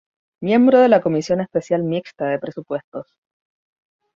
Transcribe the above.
Miembro de la Comisión Especial Mixta de Presupuestos.